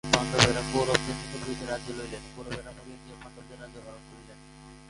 পাণ্ডবেরা কৌরবদের নিকট হইতে রাজ্য লইলেন, কৌরবেরা মরিয়া গিয়া পাণ্ডবদের রাজ্য হরণ করিলেন।